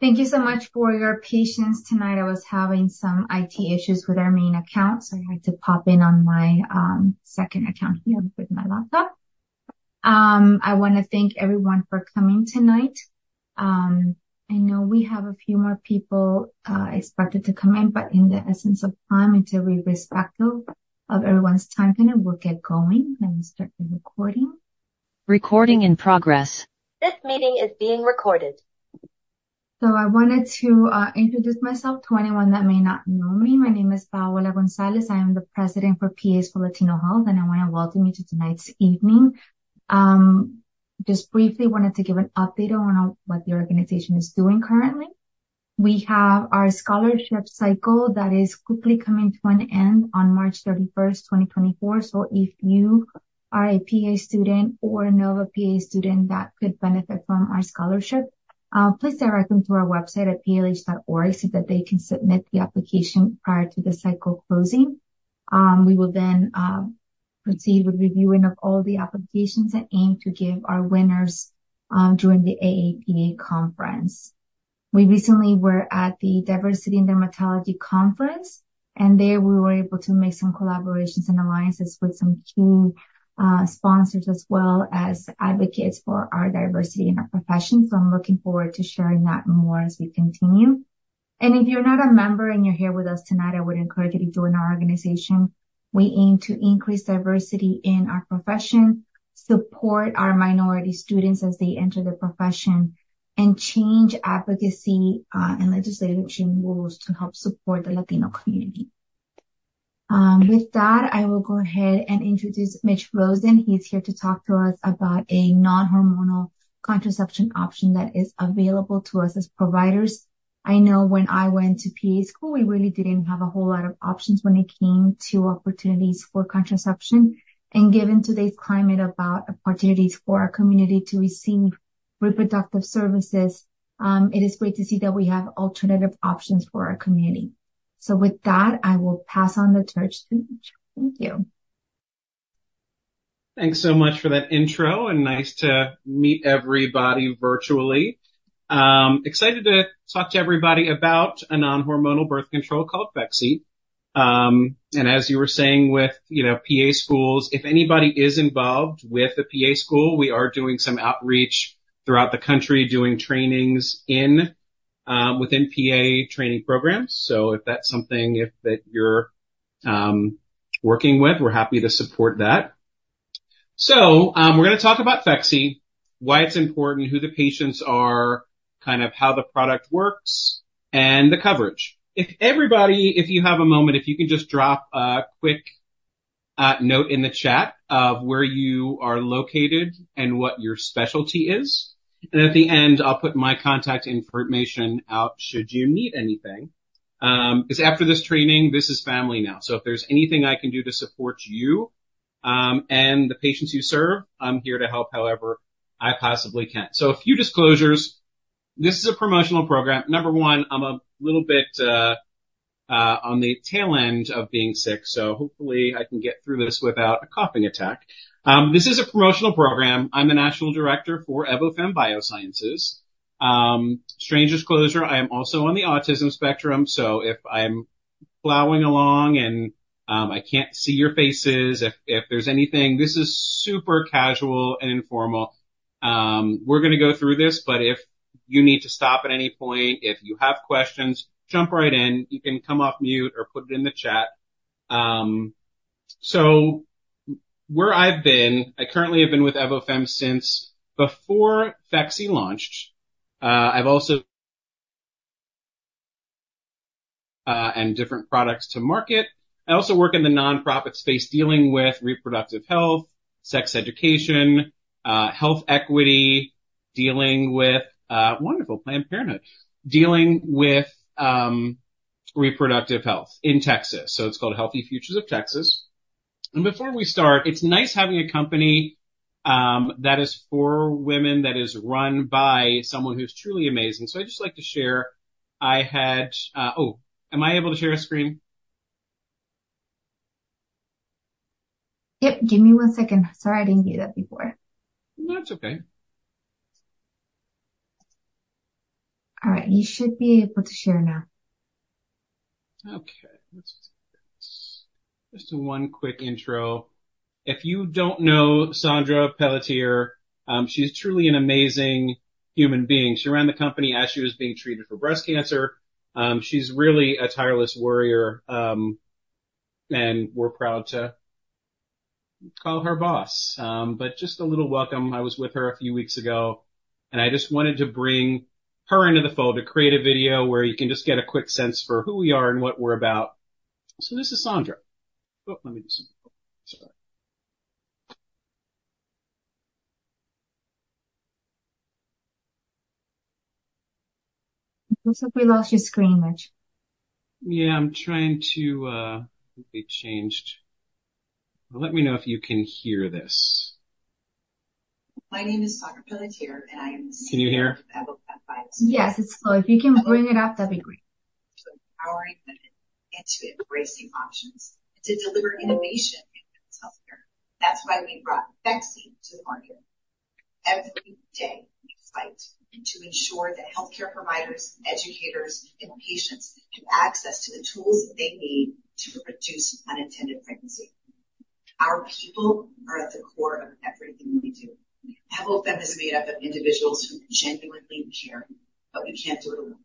Thank you so much for your patience tonight. I was having some IT issues with our main account, so I had to pop in on my second account here with my laptop. I want to thank everyone for coming tonight. I know we have a few more people expected to come in, but in the interest of time, to be respectful of everyone's time, we'll get going and start the recording. Recording in progress. So I wanted to introduce myself to anyone that may not know me. My name is Paola González. I am the president for PAs for Latino Health, and I want to welcome you to tonight's evening. Just briefly, wanted to give an update on what the organization is doing currently. We have our scholarship cycle that is quickly coming to an end on March 31st, 2024, so if you are a PA student or know of a PA student that could benefit from our scholarship, please direct them to our website at palh.org so that they can submit the application prior to the cycle closing. We will then proceed with reviewing of all the applications and aim to give our winners during the AAPA conference. We recently were at the Diversity in Dermatology conference, and there we were able to make some collaborations and alliances with some key sponsors as well as advocates for our diversity in our profession, so I'm looking forward to sharing that more as we continue. If you're not a member and you're here with us tonight, I would encourage you to join our organization. We aim to increase diversity in our profession, support our minority students as they enter the profession, and change advocacy, and legislative change rules to help support the Latino community. With that, I will go ahead and introduce Mitch Rosen. He's here to talk to us about a non-hormonal contraception option that is available to us as providers. I know when I went to PA school, we really didn't have a whole lot of options when it came to opportunities for contraception, and given today's climate about opportunities for our community to receive reproductive services, it is great to see that we have alternative options for our community. So with that, I will pass on the torch to Mitch. Thank you. Thanks so much for that intro, and nice to meet everybody virtually. Excited to talk to everybody about a non-hormonal birth control called Phexxi. And as you were saying with, you know, PA schools, if anybody is involved with a PA school, we are doing some outreach throughout the country doing trainings in, within PA training programs. So if that's something if that you're, working with, we're happy to support that. So, we're going to talk about Phexxi, why it's important, who the patients are, kind of how the product works, and the coverage. If everybody if you have a moment, if you can just drop a quick note in the chat of where you are located and what your specialty is. And at the end, I'll put my contact information out should you need anything. Because after this training, this is family now, so if there's anything I can do to support you, and the patients you serve, I'm here to help however I possibly can. So a few disclosures. This is a promotional program. Number one, I'm a little bit on the tail end of being sick, so hopefully I can get through this without a coughing attack. This is a promotional program. I'm the national director for Evofem Biosciences. Strange disclosure, I am also on the autism spectrum, so if I'm plowing along and I can't see your faces, if there's anything, this is super casual and informal. We're going to go through this, but if you need to stop at any point, if you have questions, jump right in. You can come off mute or put it in the chat. So, where I've been, I currently have been with Evofem since before Phexxi launched. I've also, and different products to market. I also work in the nonprofit space dealing with reproductive health, sex education, health equity, dealing with wonderful Planned Parenthood, dealing with reproductive health in Texas. So it's called Healthy Futures of Texas. Before we start, it's nice having a company that is for women that is run by someone who's truly amazing. So I just like to share I had, oh, am I able to share a screen? Yep. Give me one second. Sorry, I didn't do that before. No, it's okay. All right. You should be able to share now. Okay. Let's just do one quick intro. If you don't know Saundra Pelletier, she's truly an amazing human being. She ran the company as she was being treated for breast cancer. She's really a tireless warrior, and we're proud to call her boss. Just a little welcome. I was with her a few weeks ago, and I just wanted to bring her into the fold to create a video where you can just get a quick sense for who we are and what we're about. So this is Saundra. It looks like we lost your screen, Mitch. Yeah, I'm trying to. I think they changed. Well, let me know if you can hear this. My name is Saundra Pelletier, and I am the. Can you hear? Director of Evofem Biosciences. Yes, it's slow. If you can bring it up, that'd be great. To empowering women into embracing options and to deliver innovation in women's healthcare. That's why we brought Phexxi to the market every day despite and to ensure that healthcare providers, educators, and patients have access to the tools that they need to reduce unintended pregnancy. Our people are at the core of everything we do. Evofem is made up of individuals who genuinely care, but we can't do it alone.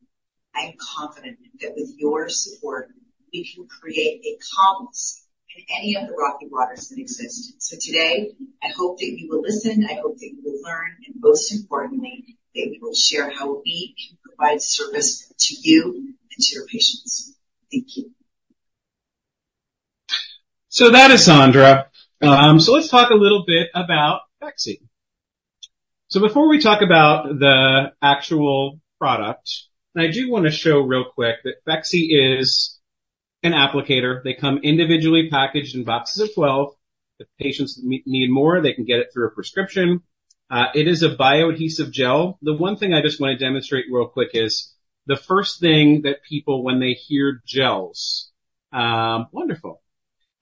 I am confident that with your support, we can create a compass in any of the rocky waters that exist. So today, I hope that you will listen. I hope that you will learn. And most importantly, that we will share how we can provide service to you and to your patients. Thank you. So that is Saundra. So let's talk a little bit about Phexxi. So before we talk about the actual product, and I do want to show real quick that Phexxi is an applicator. They come individually packaged in boxes of 12. If patients need more, they can get it through a prescription. It is a bioadhesive gel. The one thing I just want to demonstrate real quick is the first thing that people when they hear gels, wonderful,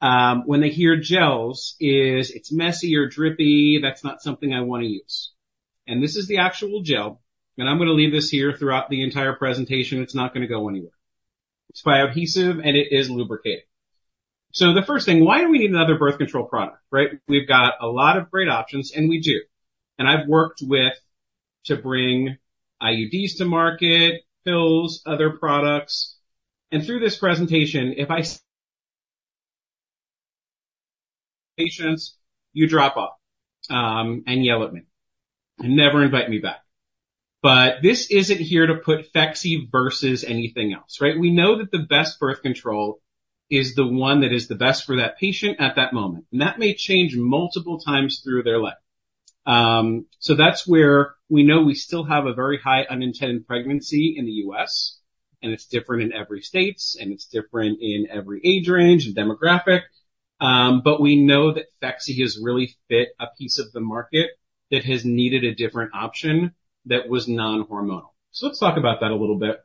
when they hear gels is it's messy or drippy. That's not something I want to use. And this is the actual gel, and I'm going to leave this here throughout the entire presentation. It's not going to go anywhere. It's bioadhesive, and it is lubricated. So the first thing, why do we need another birth control product, right? We've got a lot of great options, and we do. I've worked with to bring IUDs to market, pills, other products. Through this presentation, if I say to patients, "You drop off," and yell at me, and never invite me back. But this isn't here to put Phexxi versus anything else, right? We know that the best birth control is the one that is the best for that patient at that moment. And that may change multiple times through their life. So that's where we know we still have a very high unintended pregnancy in the U.S., and it's different in every states, and it's different in every age range and demographic. But we know that Phexxi has really fit a piece of the market that has needed a different option that was non-hormonal. So let's talk about that a little bit.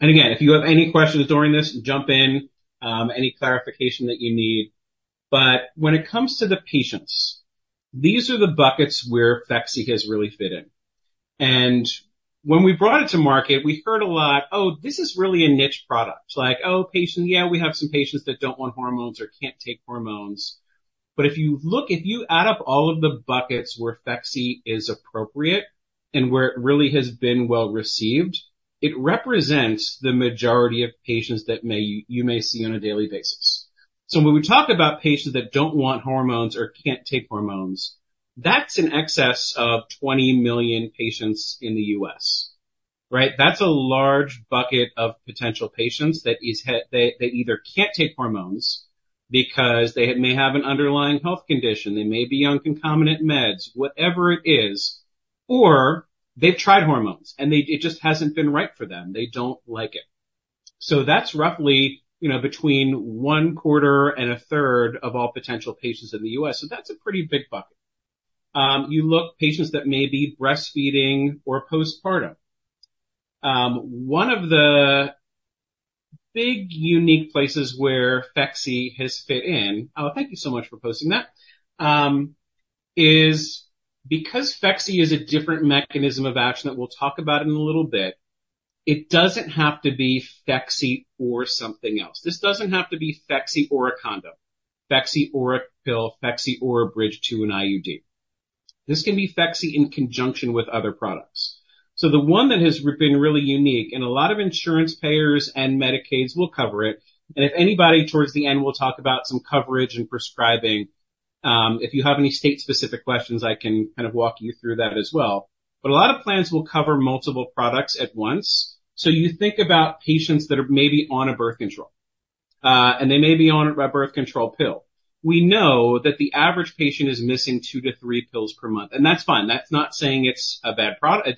And again, if you have any questions during this, jump in, any clarification that you need. But when it comes to the patients, these are the buckets where Phexxi has really fit in. And when we brought it to market, we heard a lot, "Oh, this is really a niche product." Like, "Oh, patient yeah, we have some patients that don't want hormones or can't take hormones." But if you look if you add up all of the buckets where Phexxi is appropriate and where it really has been well received, it represents the majority of patients that you may see on a daily basis. So when we talk about patients that don't want hormones or can't take hormones, that's an excess of 20 million patients in the U.S., right? That's a large bucket of potential patients that is, they either can't take hormones because they may have an underlying health condition. They may be on concomitant meds, whatever it is, or they've tried hormones, and they it just hasn't been right for them. They don't like it. So that's roughly, you know, between one quarter and a third of all potential patients in the U.S. So that's a pretty big bucket. You look patients that may be breastfeeding or postpartum. One of the big, unique places where Phexxi has fit in. Oh, thank you so much for posting that. Is because Phexxi is a different mechanism of action that we'll talk about in a little bit. It doesn't have to be Phexxi or something else. This doesn't have to be Phexxi or a condom, Phexxi or a pill, Phexxi or a bridge to an IUD. This can be Phexxi in conjunction with other products. So the one that has been really unique, and a lot of insurance payers and Medicaid will cover it, and if anybody towards the end will talk about some coverage and prescribing, if you have any state-specific questions, I can kind of walk you through that as well. But a lot of plans will cover multiple products at once. So you think about patients that are maybe on a birth control, and they may be on a birth control pill. We know that the average patient is missing 2-3 pills per month, and that's fine. That's not saying it's a bad product. It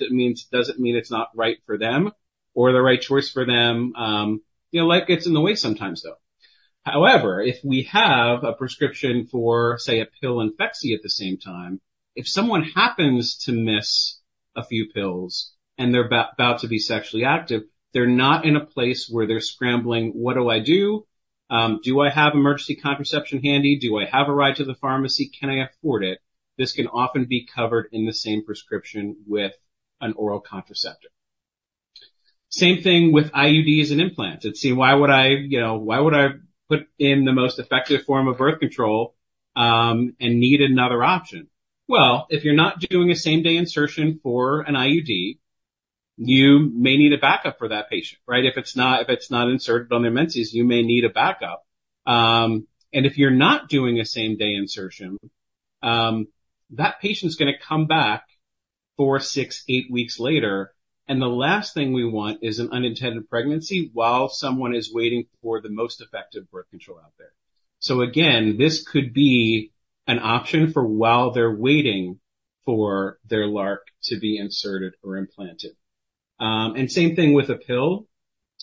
doesn't mean it's not right for them or the right choice for them. You know, life gets in the way sometimes, though. However, if we have a prescription for, say, a pill and Phexxi at the same time, if someone happens to miss a few pills and they're about to be sexually active, they're not in a place where they're scrambling, "What do I do? Do I have emergency contraception handy? Do I have a ride to the pharmacy? Can I afford it?" This can often be covered in the same prescription with an oral contraceptive. Same thing with IUDs and implants. It's see, why would I, you know, why would I put in the most effective form of birth control, and need another option? Well, if you're not doing a same-day insertion for an IUD, you may need a backup for that patient, right? If it's not inserted on their menses, you may need a backup. If you're not doing a same-day insertion, that patient's going to come back 4, 6, 8 weeks later, and the last thing we want is an unintended pregnancy while someone is waiting for the most effective birth control out there. So again, this could be an option for while they're waiting for their LARC to be inserted or implanted. Same thing with a pill,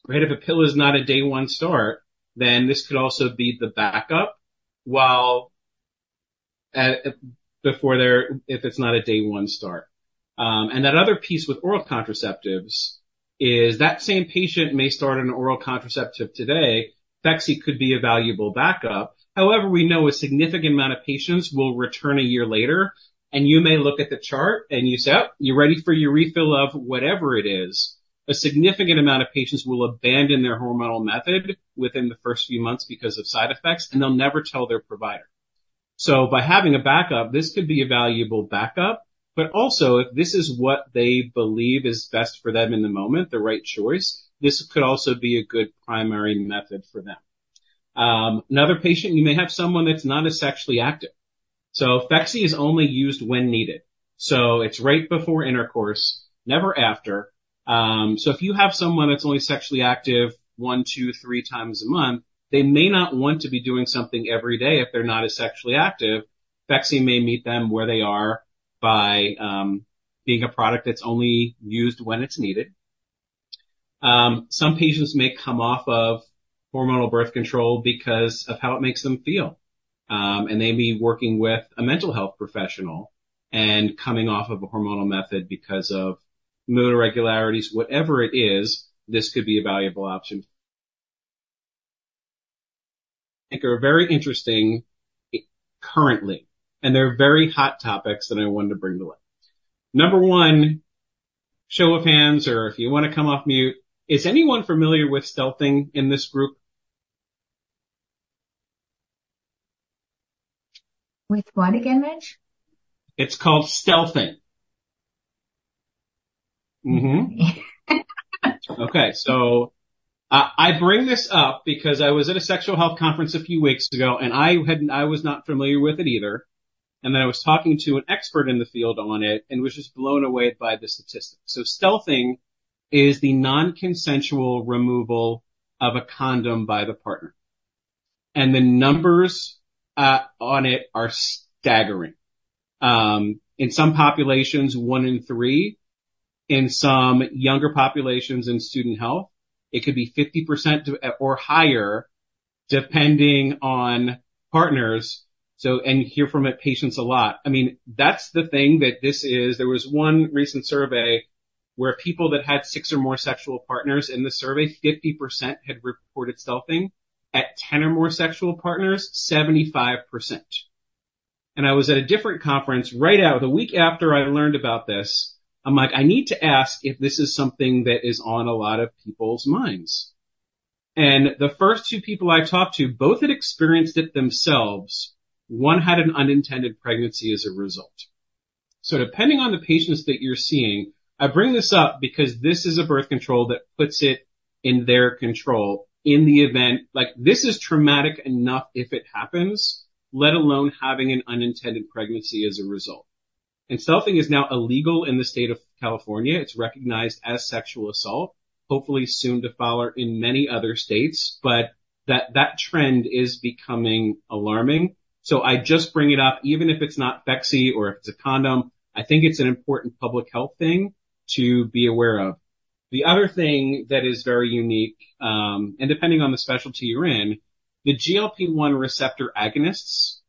right? If a pill is not a day-one start, then this could also be the backup while at before they're if it's not a day-one start. That other piece with oral contraceptives is that same patient may start an oral contraceptive today. Phexxi could be a valuable backup. However, we know a significant amount of patients will return a year later, and you may look at the chart and you say, "Oh, you're ready for your refill of whatever it is." A significant amount of patients will abandon their hormonal method within the first few months because of side effects, and they'll never tell their provider. So by having a backup, this could be a valuable backup, but also if this is what they believe is best for them in the moment, the right choice, this could also be a good primary method for them. Another patient you may have someone that's not as sexually active. So Phexxi is only used when needed. So it's right before intercourse, never after. So if you have someone that's only sexually active one, two, three times a month, they may not want to be doing something every day if they're not as sexually active. Phexxi may meet them where they are by being a product that's only used when it's needed. Some patients may come off of hormonal birth control because of how it makes them feel. And they may be working with a mental health professional and coming off of a hormonal method because of mood irregularities. Whatever it is, this could be a valuable option. I think they're very interesting currently, and they're very hot topics that I wanted to bring to light. Number one, show of hands or if you want to come off mute. Is anyone familiar with stealthing in this group? With what again, Mitch? It's called stealthing. Mm-hmm. Okay. So I bring this up because I was at a sexual health conference a few weeks ago, and I hadn't I was not familiar with it either. And then I was talking to an expert in the field on it, and was just blown away by the statistics. So stealthing is the non-consensual removal of a condom by the partner. And the numbers on it are staggering. In some populations, one in three. In some younger populations in student health, it could be 50% or higher depending on partners. So and hear from it patients a lot. I mean, that's the thing that this is there was one recent survey where people that had six or more sexual partners in the survey, 50% had reported stealthing. At 10 or more sexual partners, 75%. I was at a different conference right out the week after I learned about this. I'm like, I need to ask if this is something that is on a lot of people's minds. The first two people I talked to, both had experienced it themselves. One had an unintended pregnancy as a result. Depending on the patients that you're seeing, I bring this up because this is a birth control that puts it in their control in the event like, this is traumatic enough if it happens, let alone having an unintended pregnancy as a result. Stealthing is now illegal in the state of California. It's recognized as sexual assault, hopefully soon to follow in many other states, but that trend is becoming alarming. I just bring it up. Even if it's not Phexxi or if it's a condom, I think it's an important public health thing to be aware of. The other thing that is very unique, and depending on the specialty you're in, the GLP-1 receptor agonists,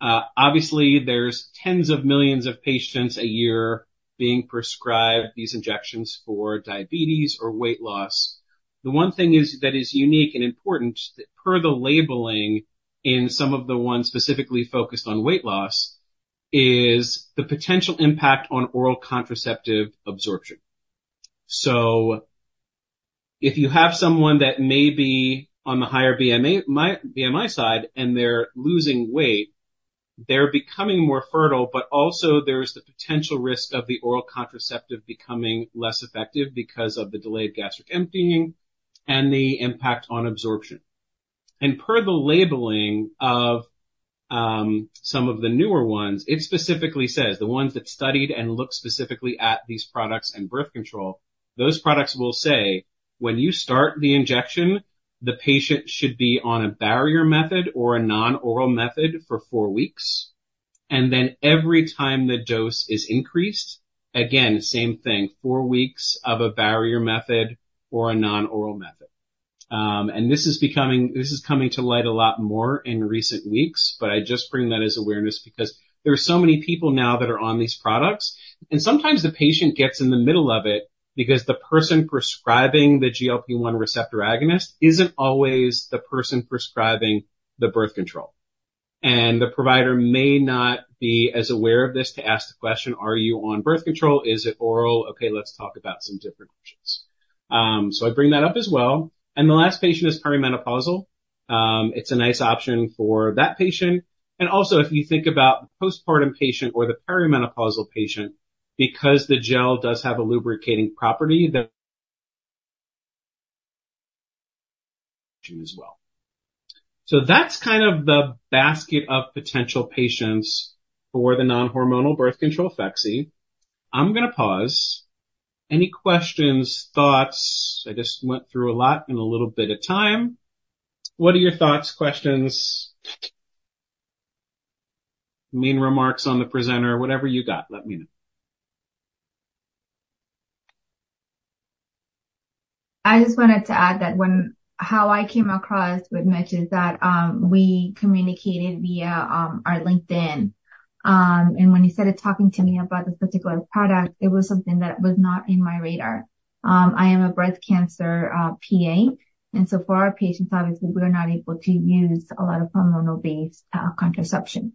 obviously, there's tens of millions of patients a year being prescribed these injections for diabetes or weight loss. The one thing is that is unique and important that per the labeling in some of the ones specifically focused on weight loss is the potential impact on oral contraceptive absorption. So if you have someone that may be on the higher BMI side and they're losing weight, they're becoming more fertile, but also there's the potential risk of the oral contraceptive becoming less effective because of the delayed gastric emptying and the impact on absorption. And per the labeling of some of the newer ones, it specifically says the ones that studied and looked specifically at these products and birth control, those products will say, when you start the injection, the patient should be on a barrier method or a non-oral method for four weeks. And then every time the dose is increased, again, same thing, four weeks of a barrier method or a non-oral method. And this is becoming, this is coming to light a lot more in recent weeks, but I just bring that as awareness because there are so many people now that are on these products. And sometimes the patient gets in the middle of it because the person prescribing the GLP-1 receptor agonist isn't always the person prescribing the birth control. And the provider may not be as aware of this to ask the question, "Are you on birth control? Is it oral? Okay, let's talk about some different options." So I bring that up as well. And the last patient is perimenopausal. It's a nice option for that patient. And also, if you think about the postpartum patient or the perimenopausal patient, because the gel does have a lubricating property that as well. So that's kind of the basket of potential patients for the non-hormonal birth control, Phexxi. I'm going to pause. Any questions, thoughts? I just went through a lot in a little bit of time. What are your thoughts, questions, main remarks on the presenter, whatever you got, let me know. I just wanted to add that when how I came across with Mitch is that, we communicated via our LinkedIn. And when he started talking to me about this particular product, it was something that was not in my radar. I am a breast cancer PA, and so for our patients, obviously, we are not able to use a lot of hormonal-based contraception.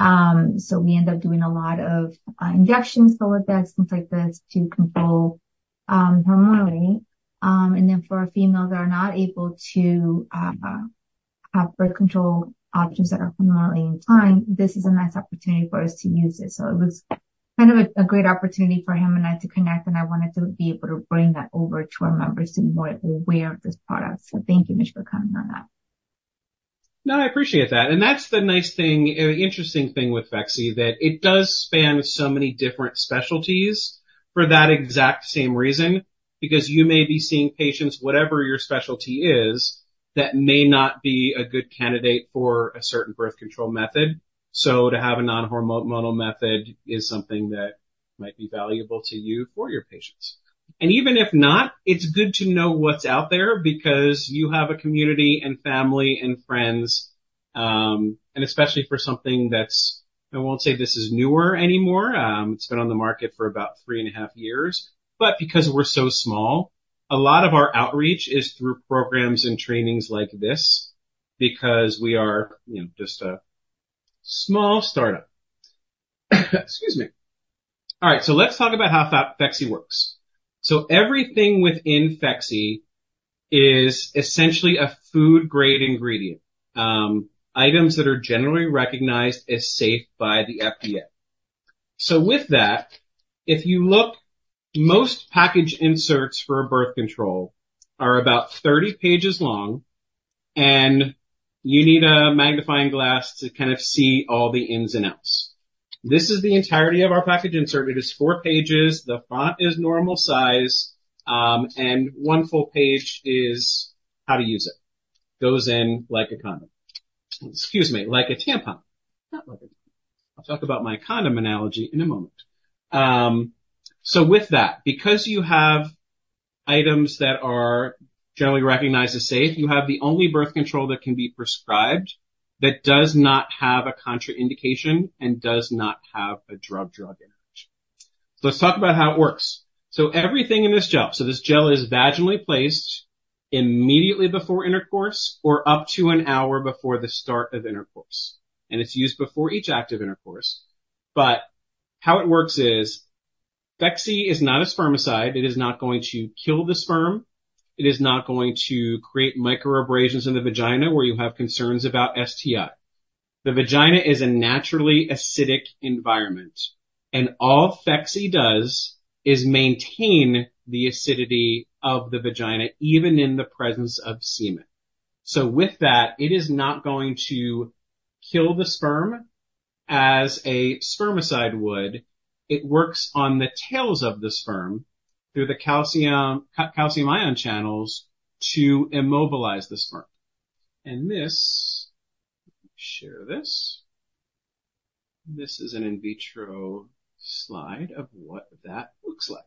So we end up doing a lot of injections for with that, things like this to control hormonally. And then for our females that are not able to have birth control options that are hormonally in time, this is a nice opportunity for us to use it. So it was kind of a great opportunity for him and I to connect, and I wanted to be able to bring that over to our members to be more aware of this product. Thank you, Mitch, for coming on that. No, I appreciate that. And that's the nice thing, interesting thing with Phexxi, that it does span so many different specialties for that exact same reason, because you may be seeing patients, whatever your specialty is, that may not be a good candidate for a certain birth control method. So to have a non-hormonal method is something that might be valuable to you for your patients. And even if not, it's good to know what's out there because you have a community and family and friends, and especially for something that's. I won't say this is newer anymore. It's been on the market for about 3.5 years. But because we're so small, a lot of our outreach is through programs and trainings like this because we are, you know, just a small startup. Excuse me. All right. So let's talk about how Phexxi works. So everything within Phexxi is essentially a food-grade ingredient, items that are generally recognized as safe by the FDA. So with that, if you look, most package inserts for a birth control are about 30 pages long, and you need a magnifying glass to kind of see all the ins and outs. This is the entirety of our package insert. It is 4 pages. The font is normal size, and 1 full page is how to use it. Goes in like a condom. Excuse me, like a tampon. Not like a condom. I'll talk about my condom analogy in a moment. So with that, because you have items that are generally recognized as safe, you have the only birth control that can be prescribed that does not have a contraindication and does not have a drug-drug interaction. So let's talk about how it works. So everything in this gel so this gel is vaginally placed immediately before intercourse or up to an hour before the start of intercourse. And it's used before each active intercourse. But how it works is Phexxi is not a spermicide. It is not going to kill the sperm. It is not going to create microabrasions in the vagina where you have concerns about STI. The vagina is a naturally acidic environment. And all Phexxi does is maintain the acidity of the vagina even in the presence of semen. So with that, it is not going to kill the sperm as a spermicide would. It works on the tails of the sperm through the calcium ion channels to immobilize the sperm. And this let me share this. This is an in vitro slide of what that looks like.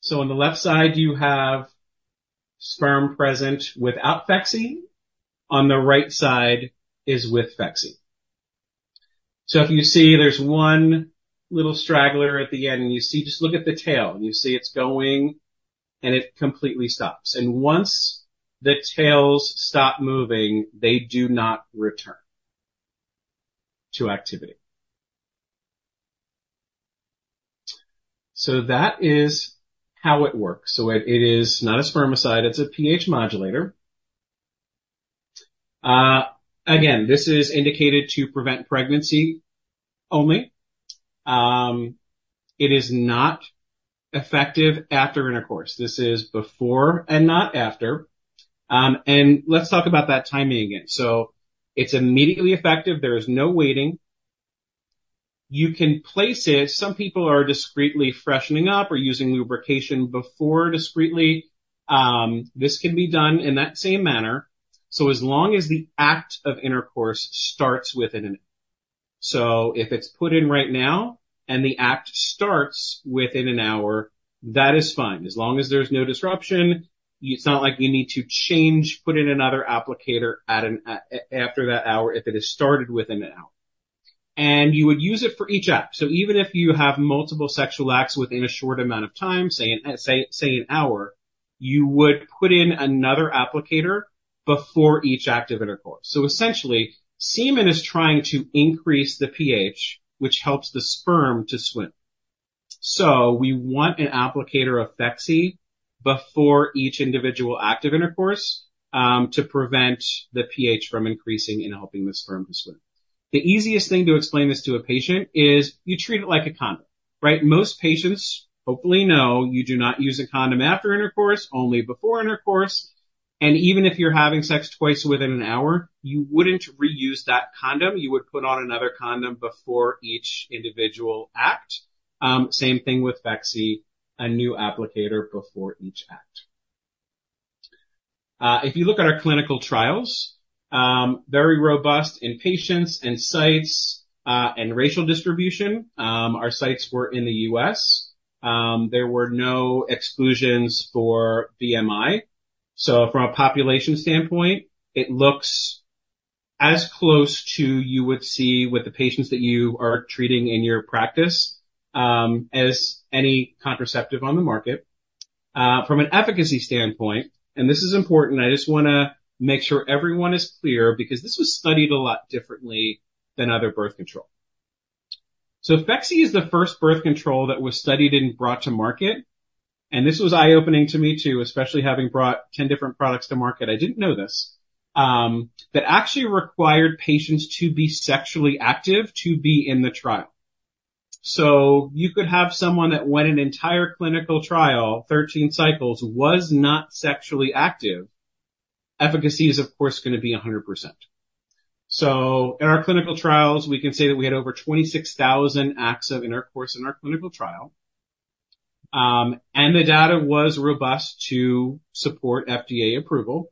So on the left side, you have sperm present without Phexxi. On the right side is with Phexxi. So if you see there's one little straggler at the end, and you see just look at the tail, and you see it's going and it completely stops. And once the tails stop moving, they do not return to activity. So that is how it works. So it is not a spermicide. It's a pH modulator. Again, this is indicated to prevent pregnancy only. It is not effective after intercourse. This is before and not after. And let's talk about that timing again. So it's immediately effective. There is no waiting. You can place it. Some people are discreetly freshening up or using lubrication before discreetly. This can be done in that same manner. So as long as the act of intercourse starts within an hour. So if it's put in right now and the act starts within an hour, that is fine. As long as there's no disruption, it's not like you need to change, put in another applicator after an hour if it has started within an hour. And you would use it for each act. So even if you have multiple sexual acts within a short amount of time, say an hour, you would put in another applicator before each act of intercourse. So essentially, semen is trying to increase the pH, which helps the sperm to swim. So we want an applicator of Phexxi before each individual act of intercourse, to prevent the pH from increasing and helping the sperm to swim. The easiest thing to explain this to a patient is you treat it like a condom, right? Most patients hopefully know you do not use a condom after intercourse, only before intercourse. And even if you're having sex twice within an hour, you wouldn't reuse that condom. You would put on another condom before each individual act. Same thing with Phexxi, a new applicator before each act. If you look at our clinical trials, very robust in patients and sites, and racial distribution, our sites were in the U.S. There were no exclusions for BMI. So from a population standpoint, it looks as close to you would see with the patients that you are treating in your practice, as any contraceptive on the market. From an efficacy standpoint, and this is important, I just want to make sure everyone is clear because this was studied a lot differently than other birth control. So Phexxi is the first birth control that was studied and brought to market. And this was eye-opening to me too, especially having brought 10 different products to market. I didn't know this, that actually required patients to be sexually active to be in the trial. So you could have someone that went an entire clinical trial, 13 cycles, was not sexually active. Efficacy is, of course, going to be 100%. So in our clinical trials, we can say that we had over 26,000 acts of intercourse in our clinical trial. The data was robust to support FDA approval.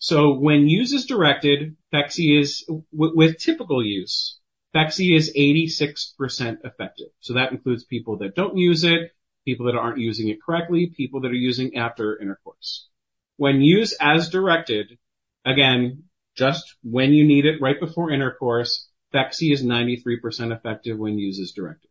So when use as directed, Phexxi is with typical use, Phexxi is 86% effective. So that includes people that don't use it, people that aren't using it correctly, people that are using after intercourse. When use as directed, again, just when you need it right before intercourse, Phexxi is 93% effective when use as directed.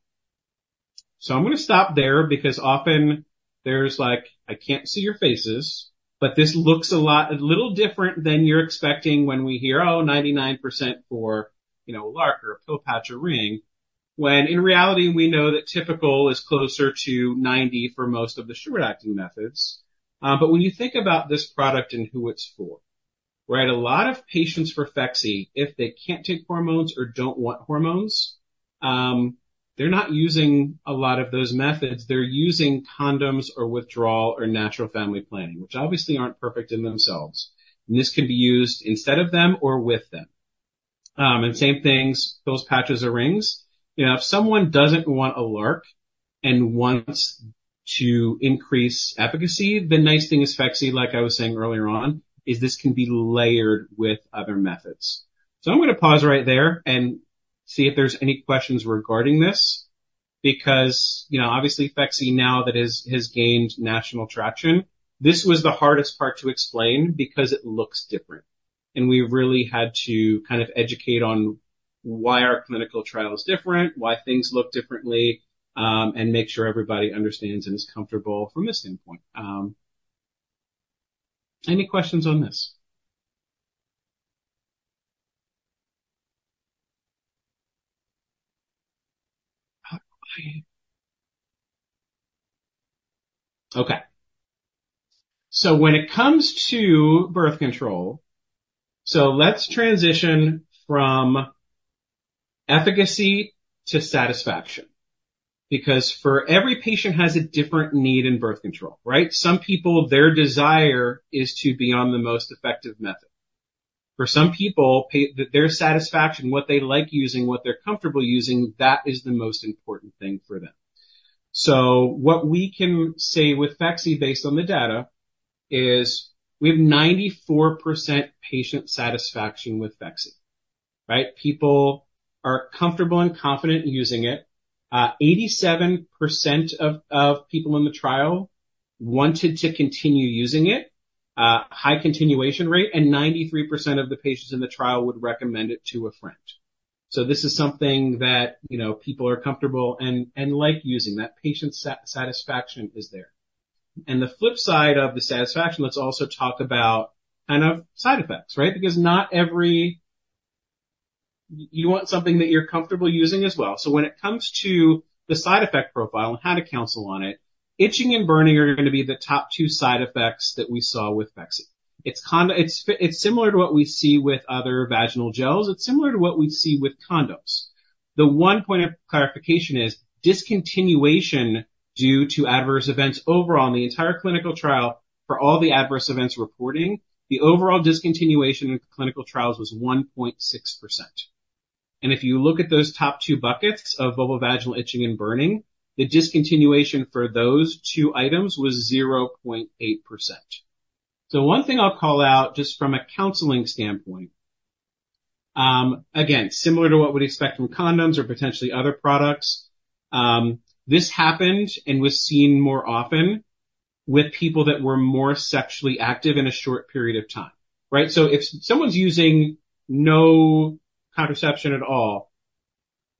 So I'm going to stop there because often there's like, I can't see your faces, but this looks a lot a little different than you're expecting when we hear, oh, 99% for, you know, a LARC or a pill patch or ring, when in reality, we know that typical is closer to 90% for most of the short-acting methods. But when you think about this product and who it's for, right, a lot of patients for Phexxi, if they can't take hormones or don't want hormones, they're not using a lot of those methods. They're using condoms or withdrawal or natural family planning, which obviously aren't perfect in themselves. And this can be used instead of them or with them. And same things, pills patches or rings. You know, if someone doesn't want a LARC and wants to increase efficacy, the nice thing is Phexxi, like I was saying earlier on, is this can be layered with other methods. So I'm going to pause right there and see if there's any questions regarding this because, you know, obviously, Phexxi now that has gained national traction, this was the hardest part to explain because it looks different. And we really had to kind of educate on why our clinical trial is different, why things look differently, and make sure everybody understands and is comfortable from this standpoint. Any questions on this? Okay. So when it comes to birth control, so let's transition from efficacy to satisfaction because for every patient has a different need in birth control, right? Some people, their desire is to be on the most effective method. For some people, their satisfaction, what they like using, what they're comfortable using, that is the most important thing for them. So what we can say with Phexxi based on the data is we have 94% patient satisfaction with Phexxi, right? People are comfortable and confident using it. 87% of people in the trial wanted to continue using it, high continuation rate, and 93% of the patients in the trial would recommend it to a friend. So this is something that, you know, people are comfortable and like using. That patient satisfaction is there. And the flip side of the satisfaction, let's also talk about kind of side effects, right? Because not every you want something that you're comfortable using as well. So when it comes to the side effect profile and how to counsel on it, itching and burning are going to be the top two side effects that we saw with Phexxi. It's similar to what we see with other vaginal gels. It's similar to what we see with condoms. The one point of clarification is discontinuation due to adverse events overall in the entire clinical trial for all the adverse events reporting, the overall discontinuation in clinical trials was 1.6%. And if you look at those top two buckets of vulvovaginal itching and burning, the discontinuation for those two items was 0.8%. So one thing I'll call out just from a counseling standpoint, again, similar to what we'd expect from condoms or potentially other products, this happened and was seen more often with people that were more sexually active in a short period of time, right? So if someone's using no contraception at all,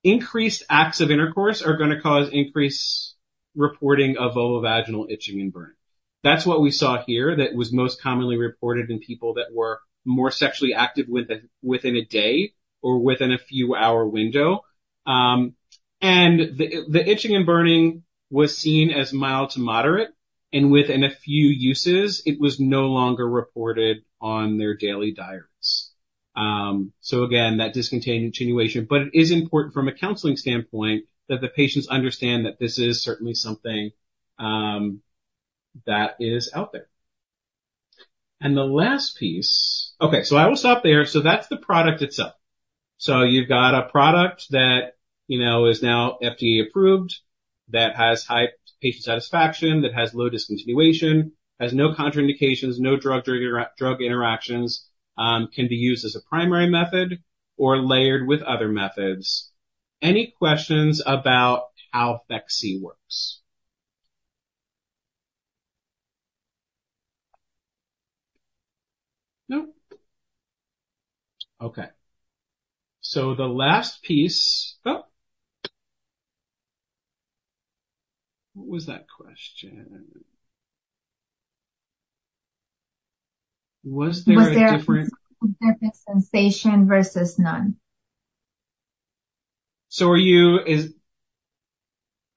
increased acts of intercourse are going to cause increased reporting of vulvovaginal itching and burning. That's what we saw here that was most commonly reported in people that were more sexually active within a day or within a few-hour window. And the itching and burning was seen as mild to moderate. And within a few uses, it was no longer reported on their daily diaries. So again, that discontinuation. But it is important from a counseling standpoint that the patients understand that this is certainly something that is out there. And the last piece okay, so I will stop there. So that's the product itself. So you've got a product that, you know, is now FDA approved, that has high patient satisfaction, that has low discontinuation, has no contraindications, no drug drug interactions, can be used as a primary method or layered with other methods. Any questions about how Phexxi works? Nope. Okay. So the last piece oh, what was that question? Was there a different? Was there a different sensation versus none? So are you is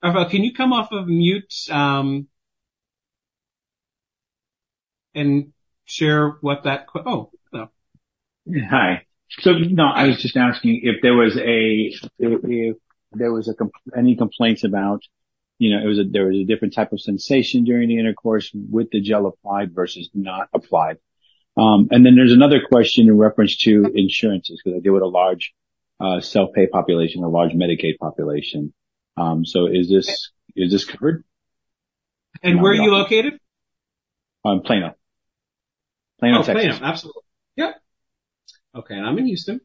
Evofem, can you come off of mute, and share what that oh, hello. Hi. So no, I was just asking if there was a if there was a any complaints about, you know, it was a there was a different type of sensation during the intercourse with the gel applied versus not applied. And then there's another question in reference to insurances because I deal with a large, self-pay population, a large Medicaid population. So is this is this covered? And where are you located? Plano. Plano, Texas. Oh, Plano. Absolutely. Yep. Okay. And I'm in Houston.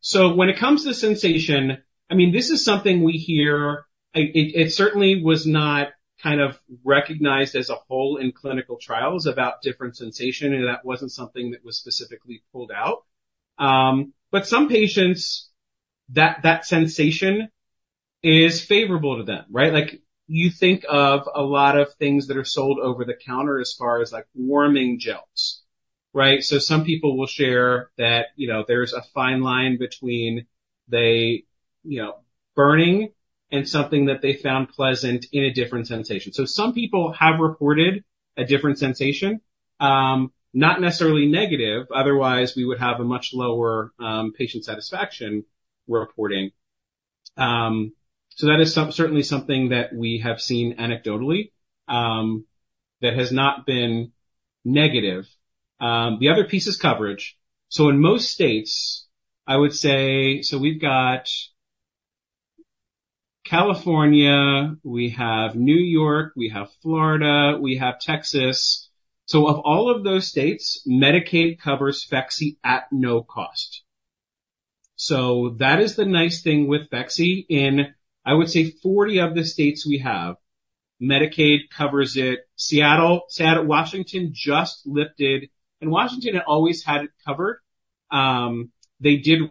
So when it comes to sensation, I mean, this is something we hear it certainly was not kind of recognized as a whole in clinical trials about different sensation, and that wasn't something that was specifically pulled out. But some patients, that that sensation is favorable to them, right? Like, you think of a lot of things that are sold over the counter as far as, like, warming gels, right? So some people will share that, you know, there's a fine line between they, you know, burning and something that they found pleasant in a different sensation. So some people have reported a different sensation, not necessarily negative. Otherwise, we would have a much lower, patient satisfaction reporting. So that is certainly something that we have seen anecdotally, that has not been negative. The other piece is coverage. So in most states, I would say so we've got California, we have New York, we have Florida, we have Texas. So of all of those states, Medicaid covers Phexxi at no cost. So that is the nice thing with Phexxi. In, I would say, 40 of the states we have, Medicaid covers it. Seattle, Washington just lifted and Washington had always had it covered. They did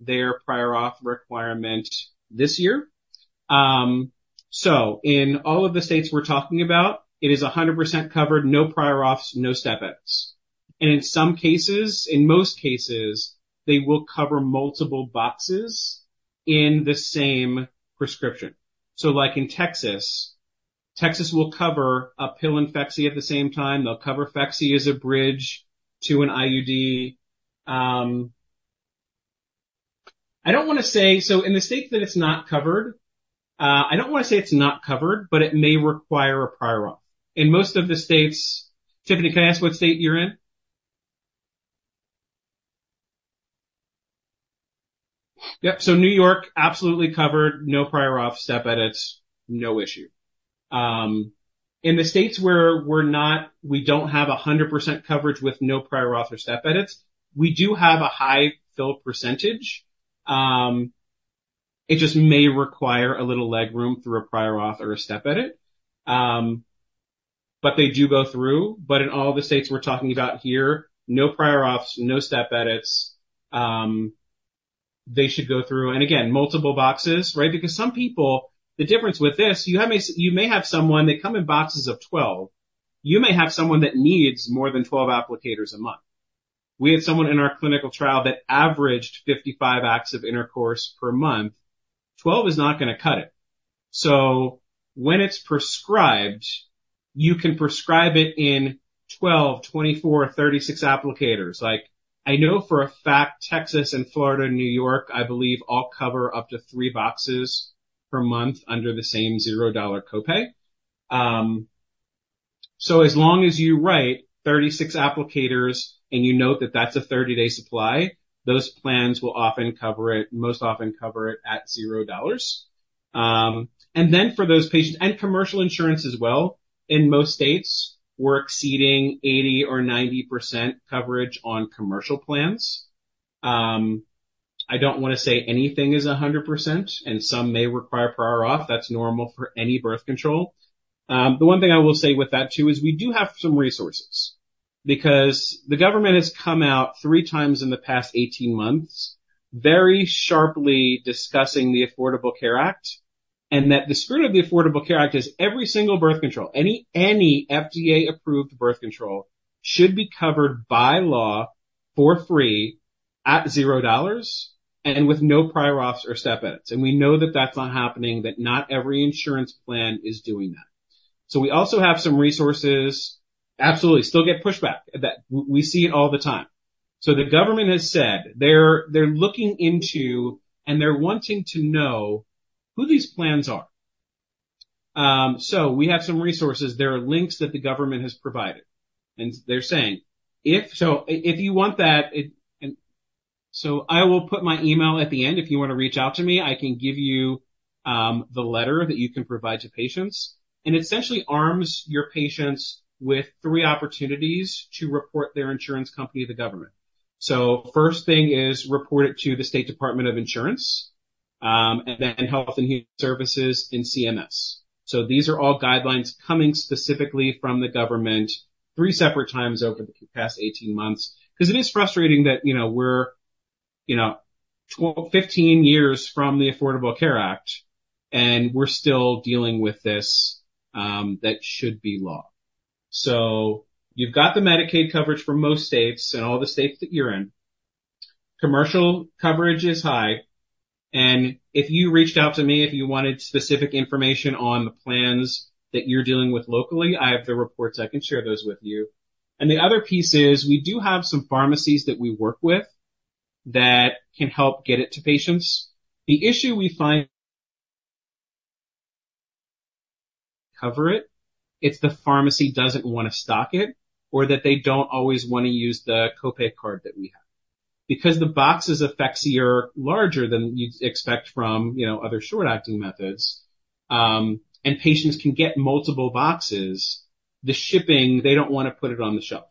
their prior auth requirement this year. So in all of the states we're talking about, it is 100% covered, no prior auths, no step edits. And in some cases, in most cases, they will cover multiple boxes in the same prescription. So like in Texas, Texas will cover a pill and Phexxi at the same time. They'll cover Phexxi as a bridge to an IUD. I don't want to say so in the states that it's not covered, I don't want to say it's not covered, but it may require a prior auth. In most of the states Tiffany, can I ask what state you're in? Yep. So New York, absolutely covered, no prior auth, step edits, no issue. In the states where we're not we don't have 100% coverage with no prior auth or step edits, we do have a high fill percentage. It just may require a little legroom through a prior auth or a step edit. But they do go through. But in all the states we're talking about here, no prior auths, no step edits, they should go through. And again, multiple boxes, right? Because some people, the difference with this, you may have someone that comes in boxes of 12. You may have someone that needs more than 12 applicators a month. We had someone in our clinical trial that averaged 55 acts of intercourse per month. 12 is not going to cut it. So when it's prescribed, you can prescribe it in 12, 24, 36 applicators. Like, I know for a fact, Texas and Florida and New York, I believe, all cover up to three boxes per month under the same $0 copay. So as long as you write 36 applicators and you note that that's a 30-day supply, those plans will often cover it, most often cover it at $0. And then for those patients and commercial insurance as well, in most states, we're exceeding 80% or 90% coverage on commercial plans. I don't want to say anything is 100%, and some may require prior auth. That's normal for any birth control. The one thing I will say with that too is we do have some resources because the government has come out three times in the past 18 months very sharply discussing the Affordable Care Act and that the spirit of the Affordable Care Act is every single birth control, any any FDA-approved birth control should be covered by law for free at $0 and with no prior auths or step edits. And we know that that's not happening, that not every insurance plan is doing that. So we also have some resources. Absolutely, still get pushback that we see it all the time. So the government has said they're they're looking into and they're wanting to know who these plans are. So we have some resources. There are links that the government has provided. They're saying, if so if you want that it and so I will put my email at the end. If you want to reach out to me, I can give you the letter that you can provide to patients. It essentially arms your patients with three opportunities to report their insurance company to the government. First thing is report it to the State Department of Insurance, and then Health and Human Services and CMS. These are all guidelines coming specifically from the government three separate times over the past 18 months because it is frustrating that, you know, we're, you know, 15 years from the Affordable Care Act and we're still dealing with this, that should be law. You've got the Medicaid coverage for most states and all the states that you're in. Commercial coverage is high. If you reached out to me, if you wanted specific information on the plans that you're dealing with locally, I have the reports. I can share those with you. The other piece is we do have some pharmacies that we work with that can help get it to patients. The issue we find cover it, it's the pharmacy doesn't want to stock it or that they don't always want to use the copay card that we have because the boxes of Phexxi are larger than you'd expect from, you know, other short-acting methods. And patients can get multiple boxes. The shipping, they don't want to put it on the shelf.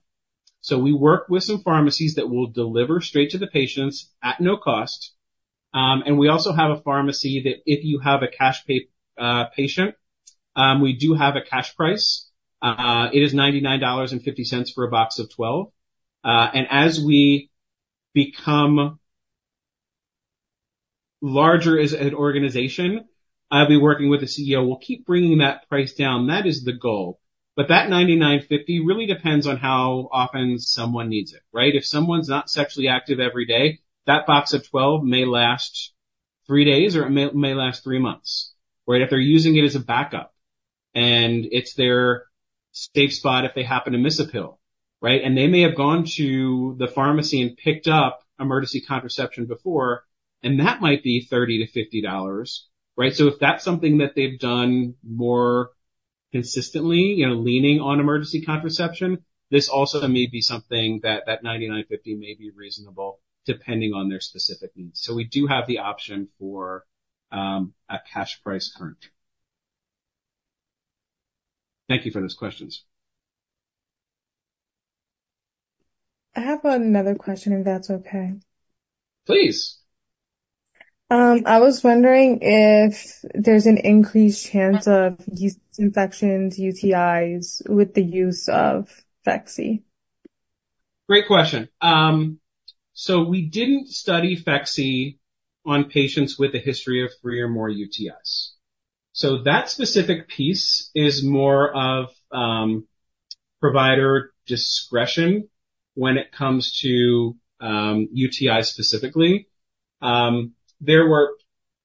So we work with some pharmacies that will deliver straight to the patients at no cost. And we also have a pharmacy that if you have a cash pay patient, we do have a cash price. It is $99.50 for a box of 12. And as we become larger as an organization, I'll be working with the CEO. We'll keep bringing that price down. That is the goal. But that $99.50 really depends on how often someone needs it, right? If someone's not sexually active every day, that box of 12 may last three days or it may last three months, right? If they're using it as a backup and it's their safe spot if they happen to miss a pill, right? And they may have gone to the pharmacy and picked up emergency contraception before, and that might be $30-$50, right? So if that's something that they've done more consistently, you know, leaning on emergency contraception, this also may be something that $99.50 may be reasonable depending on their specific needs. So we do have the option for a cash price, current. Thank you for those questions. I have another question, if that's okay. Please. I was wondering if there's an increased chance of yeast infections, UTIs with the use of Phexxi. Great question. So we didn't study Phexxi on patients with a history of three or more UTIs. So that specific piece is more of provider discretion when it comes to UTIs specifically. There were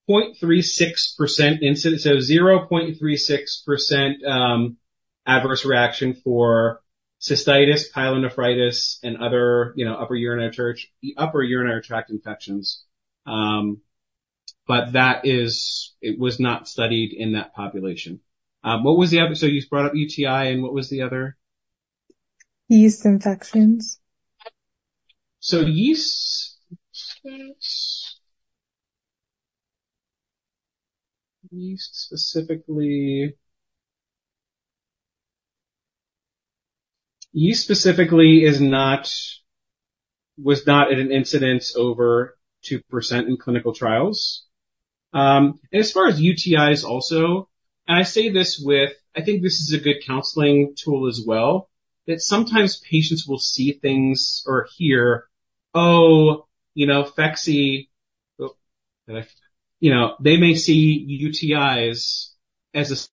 0.36% incidence, so 0.36%, adverse reaction for cystitis, pyelonephritis, and other, you know, upper urinary tract infections. But that is, it was not studied in that population. What was the other? So you brought up UTI, and what was the other? Yeast infections. So yeast specifically is not at an incidence over 2% in clinical trials. As far as UTIs also, and I say this with—I think this is a good counseling tool as well—that sometimes patients will see things or hear, "Oh, you know, Phexxi," and I—you know—they may see UTIs as a risk?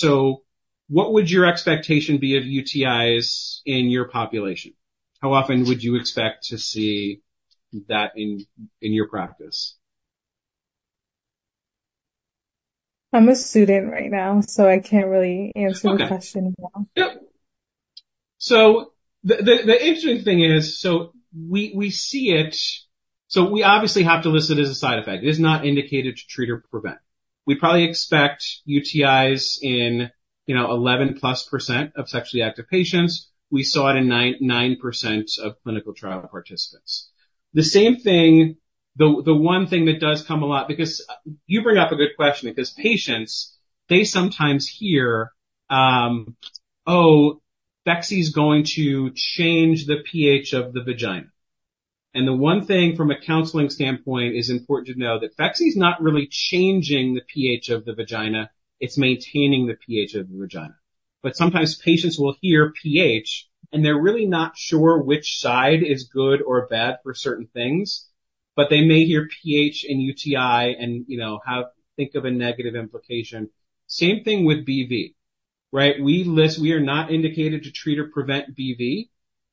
So what would your expectation be of UTIs in your population? How often would you expect to see that in your practice? I'm a student right now, so I can't really answer the question well. Okay. Yep. So the interesting thing is, so we see it, so we obviously have to list it as a side effect. It is not indicated to treat or prevent. We probably expect UTIs in, you know, 11+% of sexually active patients. We saw it in 9% of clinical trial participants. The same thing the one thing that does come a lot because you bring up a good question because patients, they sometimes hear, "Oh, Phexxi is going to change the pH of the vagina." And the one thing from a counseling standpoint is important to know that Phexxi is not really changing the pH of the vagina. It's maintaining the pH of the vagina. But sometimes patients will hear pH, and they're really not sure which side is good or bad for certain things. But they may hear pH and UTI and, you know, and think of a negative implication. Same thing with BV, right? We list we are not indicated to treat or prevent BV.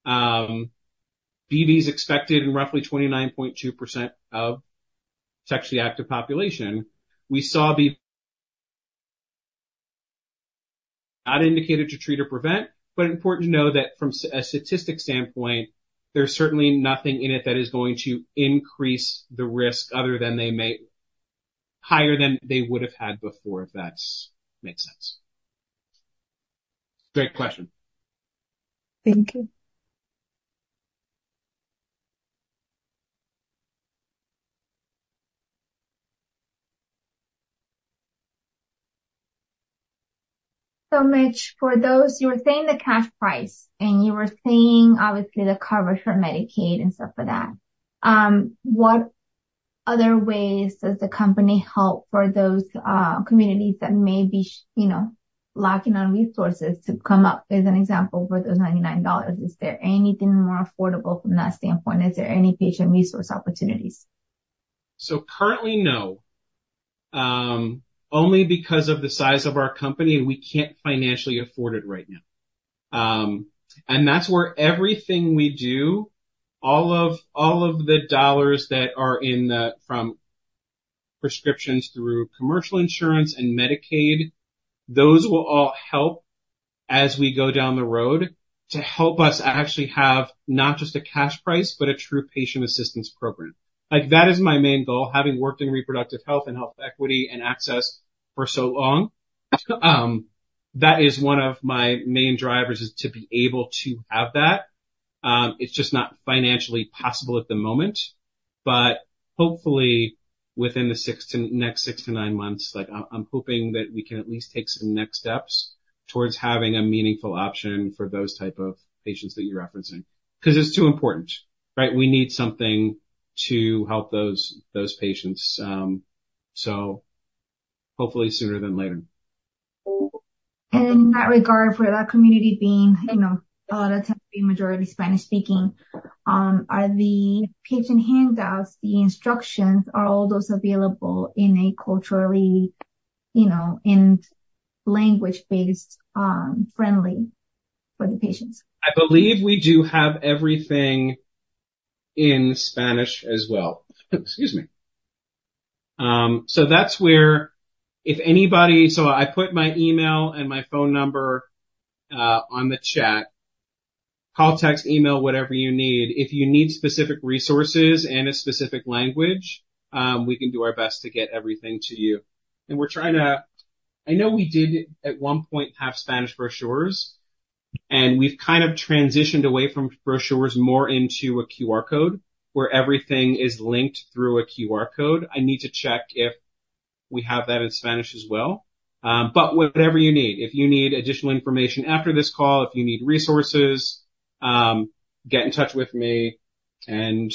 BV is expected in roughly 29.2% of sexually active population. We saw BV not indicated to treat or prevent, but important to know that from a statistic standpoint, there's certainly nothing in it that is going to increase the risk other than they may higher than they would have had before, if that makes sense. Great question. Thank you. So Mitch, for those you were saying the cash price, and you were saying, obviously, the coverage for Medicaid and stuff like that. What other ways does the company help for those, communities that may be, you know, lacking on resources to come up as an example for those $99? Is there anything more affordable from that standpoint? Is there any patient resource opportunities? So currently, no. Only because of the size of our company, and we can't financially afford it right now. That's where everything we do, all of the dollars that are in from prescriptions through commercial insurance and Medicaid, those will all help as we go down the road to help us actually have not just a cash price, but a true patient assistance program. Like, that is my main goal, having worked in reproductive health and health equity and access for so long. That is one of my main drivers is to be able to have that. It's just not financially possible at the moment. But hopefully, within the next 6 to 9 months, like, I'm hoping that we can at least take some next steps towards having a meaningful option for those type of patients that you're referencing because it's too important, right? We need something to help those patients. So hopefully sooner than later. In that regard, for that community being, you know, a lot of times being majority Spanish-speaking, are the patient handouts, the instructions, are all those available in a culturally, you know, in language-based, friendly for the patients? I believe we do have everything in Spanish as well. Excuse me. So that's where if anybody so I put my email and my phone number on the chat, call, text, email, whatever you need. If you need specific resources and a specific language, we can do our best to get everything to you. And we're trying to. I know we did at one point have Spanish brochures, and we've kind of transitioned away from brochures more into a QR code where everything is linked through a QR code. I need to check if we have that in Spanish as well. But whatever you need. If you need additional information after this call, if you need resources, get in touch with me. And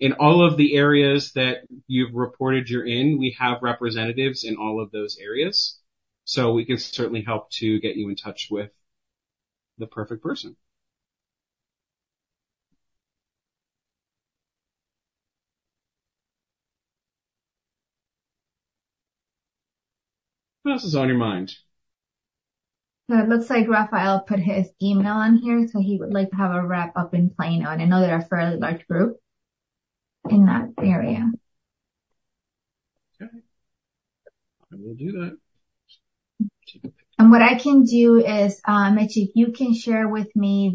in all of the areas that you've reported you're in, we have representatives in all of those areas. So we can certainly help to get you in touch with the perfect person. Who else is on your mind? So it looks like Rafael put his email on here, so he would like to have a wrap-up in Plano. And I know they're a fairly large group in that area. Okay. I will do that. And what I can do is, Mitch, if you can share with me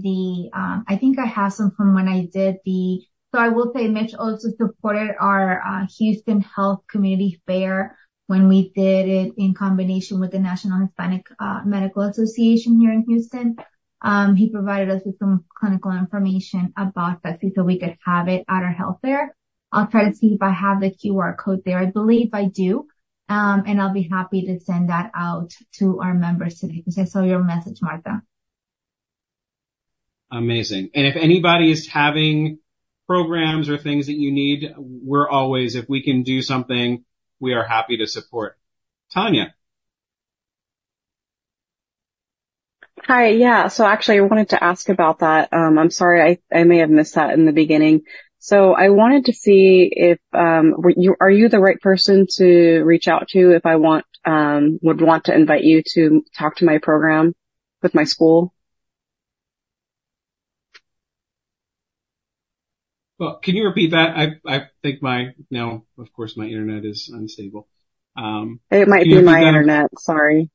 the I think I have some from when I did the so I will say Mitch also supported our Houston Health Community Fair when we did it in combination with the National Hispanic Medical Association here in Houston. He provided us with some clinical information about Phexxi so we could have it at our health fair. I'll try to see if I have the QR code there. I believe I do. And I'll be happy to send that out to our members today because I saw your message, Martha. Amazing. And if anybody is having programs or things that you need, we're always if we can do something, we are happy to support. Tanya. Hi. Yeah. So actually, I wanted to ask about that. I'm sorry. I may have missed that in the beginning. So I wanted to see if are you the right person to reach out to if I want to invite you to talk to my program with my school? Well, can you repeat that? I think my mic now, of course, my internet is unstable. It might be my internet. Sorry.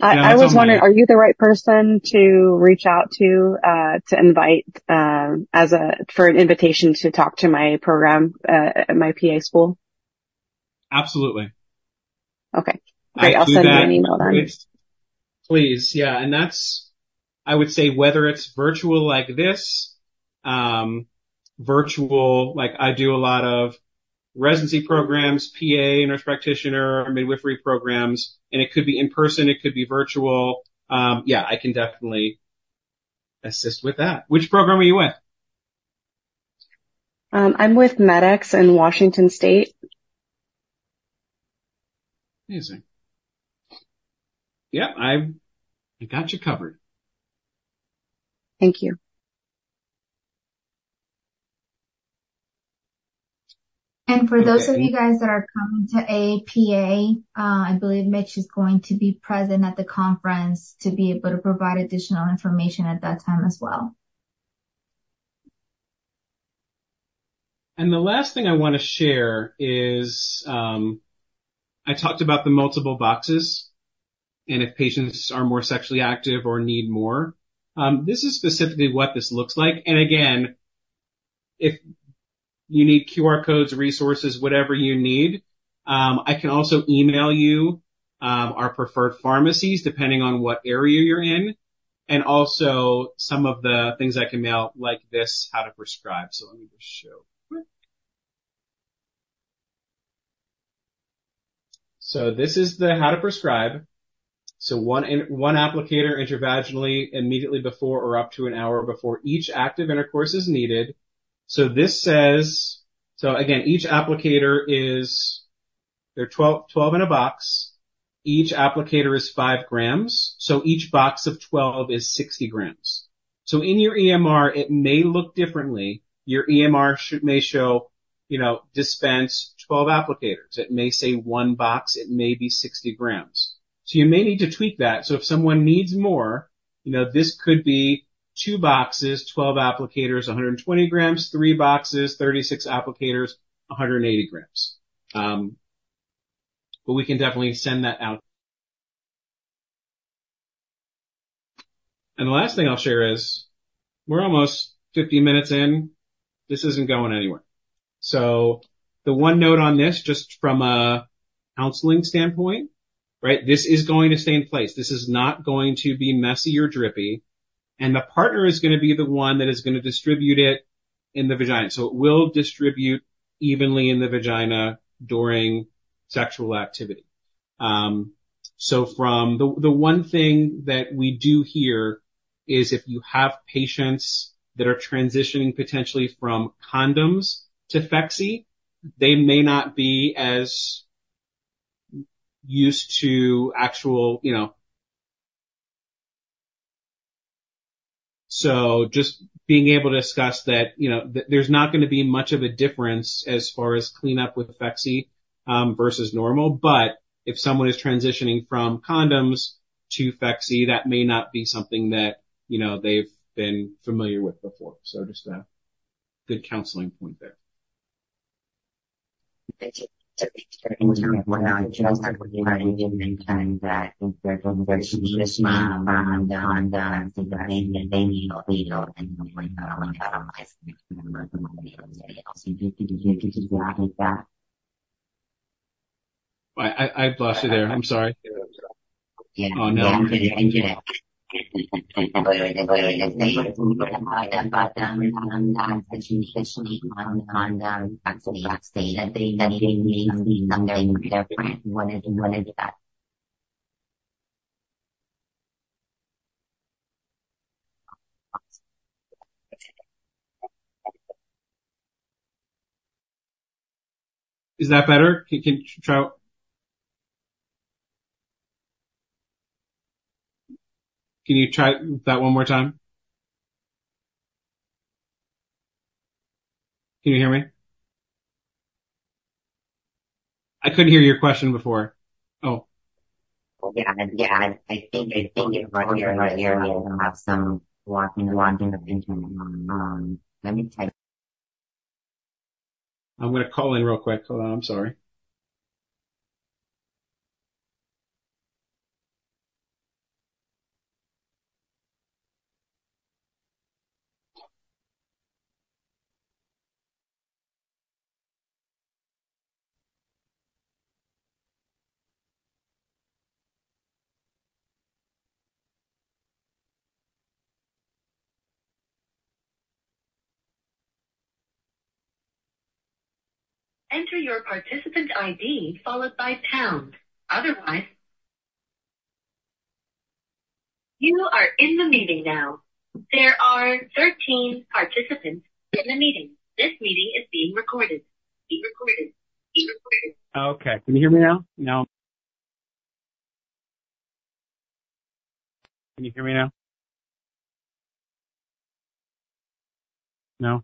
I was wondering, are you the right person to reach out to, to invite as a for an invitation to talk to my program, my PA school? Absolutely. Okay. Great. I'll send you an email then. Please. Yeah. And that's, I would say, whether it's virtual like this, virtual like, I do a lot of residency programs, PA, nurse practitioner, midwifery programs. And it could be in person. It could be virtual. Yeah, I can definitely assist with that. Which program are you with? I'm with MEDEX in Washington State. Amazing. Yep. I got you covered. Thank you. And for those of you guys that are coming to AAPA, I believe Mitch is going to be present at the conference to be able to provide additional information at that time as well. The last thing I want to share is I talked about the multiple boxes and if patients are more sexually active or need more. This is specifically what this looks like. Again, if you need QR codes, resources, whatever you need, I can also email you our preferred pharmacies depending on what area you're in. Also some of the things I can mail like this, How to Prescribe. Let me just show. This is the How to Prescribe. One applicator intravaginally immediately before or up to an hour before each active intercourse is needed. This says so again, each applicator is there are 12 in a box. Each applicator is 5 grams. Each box of 12 is 60 grams. In your EMR, it may look differently. Your EMR may show, you know, dispense 12 applicators. It may say one box. It may be 60 grams. You may need to tweak that. If someone needs more, you know, this could be 2 boxes, 12 applicators, 120 grams, 3 boxes, 36 applicators, 180 grams. But we can definitely send that out. The last thing I'll share is we're almost 50 minutes in. This isn't going anywhere. The one note on this just from a counseling standpoint, right, this is going to stay in place. This is not going to be messy or drippy. The partner is going to be the one that is going to distribute it in the vagina. It will distribute evenly in the vagina during sexual activity. So from the one thing that we do hear is if you have patients that are transitioning potentially from condoms to Phexxi, they may not be as used to actual, you know so just being able to discuss that, you know, there's not going to be much of a difference as far as cleanup with Phexxi versus normal. But if someone is transitioning from condoms to Phexxi, that may not be something that, you know, they've been familiar with before. So just a good counseling point there. Is that better? Can you try that one more time? Can you hear me? I couldn't hear your question before. Oh. Yeah. Yeah. I think it's right here. Right here. I have some lagging of internet. Let me type. I'm going to call in real quick. Hold on. I'm sorry. Okay. Can you hear me now? No. Can you hear me now? No?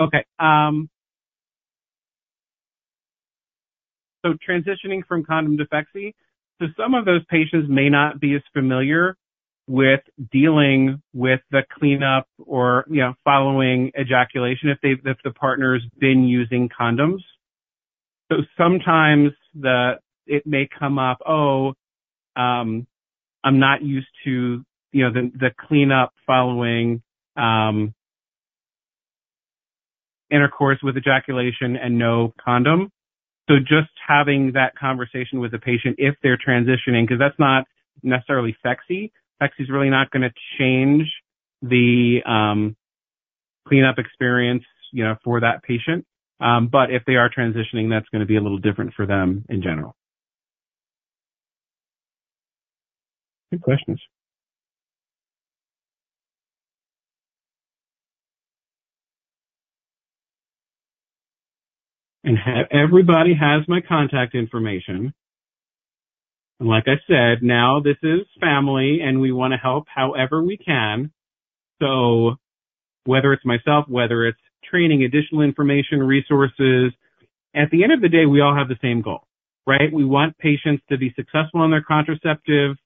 Okay. So transitioning from condom to Phexxi, so some of those patients may not be as familiar with dealing with the cleanup or, you know, following ejaculation if the partner's been using condoms. So sometimes it may come up, "Oh, I'm not used to, you know, the cleanup following intercourse with ejaculation and no condom." So just having that conversation with the patient if they're transitioning because that's not necessarily sexy. Phexxi is really not going to change the cleanup experience, you know, for that patient. But if they are transitioning, that's going to be a little different for them in general. Good questions. Everybody has my contact information. And like I said, now this is family, and we want to help however we can. So whether it's myself, whether it's training, additional information, resources, at the end of the day, we all have the same goal, right? We want patients to be successful on their contraceptive.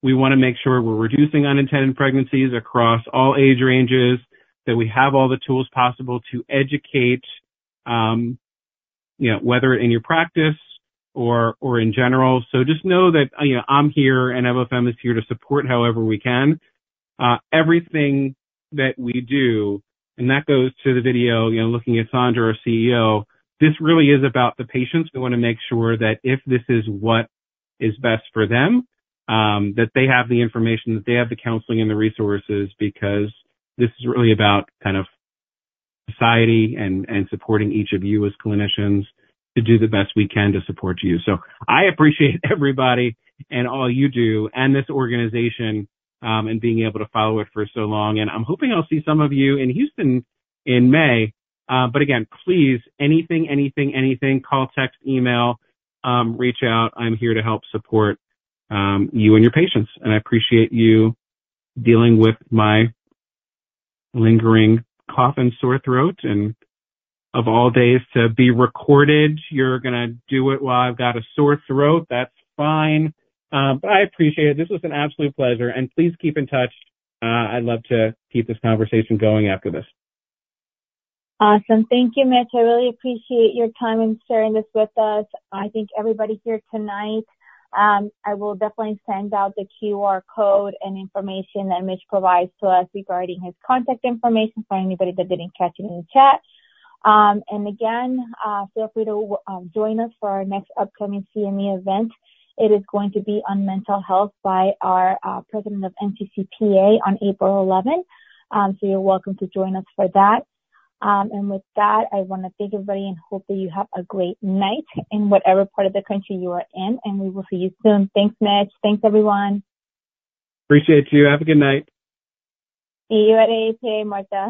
We want to make sure we're reducing unintended pregnancies across all age ranges, that we have all the tools possible to educate, you know, whether in your practice or in general. So just know that, you know, I'm here and Evofem is here to support however we can. Everything that we do, and that goes to the video, you know, looking at Saundra, our CEO, this really is about the patients. We want to make sure that if this is what is best for them, that they have the information, that they have the counseling and the resources because this is really about kind of society and supporting each of you as clinicians to do the best we can to support you. I appreciate everybody and all you do and this organization and being able to follow it for so long. I'm hoping I'll see some of you in Houston in May. But again, please, anything, anything, anything, call, text, email, reach out. I'm here to help support you and your patients. I appreciate you dealing with my lingering cough and sore throat and, of all days, to be recorded. You're going to do it while I've got a sore throat. That's fine. I appreciate it. This was an absolute pleasure. Please keep in touch. I'd love to keep this conversation going after this. Awesome. Thank you, Mitch. I really appreciate your time and sharing this with us. I think everybody here tonight, I will definitely send out the QR code and information that Mitch provides to us regarding his contact information for anybody that didn't catch it in the chat. Again, feel free to join us for our next upcoming CME event. It is going to be on mental health by our president of NCCPA on April 11th. So you're welcome to join us for that. With that, I want to thank everybody and hope that you have a great night in whatever part of the country you are in. We will see you soon. Thanks, Mitch. Thanks, everyone. Appreciate you. Have a good night. See you at AAPA, Martha.